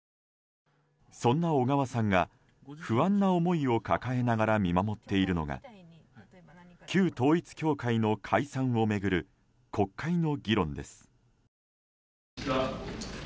そんな小川さんが不安な思いを抱えながら見守っているのが旧統一教会の解散を巡る国会の議論です。